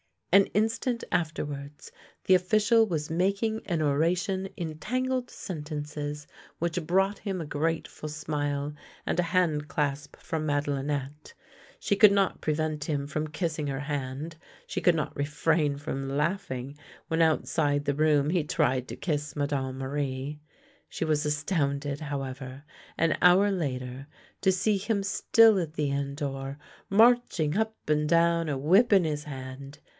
An instant afterwards the official was making an oration in tangled sentences which brought him a grateful smile and a hand clasp from Madelinette. She could not prevent him from kissing her hand, she could not refrain from laughing when outside the room he tried to kiss Madame Marie. She was astounded, how ever, an hour later to see him still at the inn door, marching up and down, a whip in his hand.